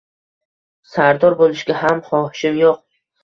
Sardor bo‘lishga ham xohishim yo‘q.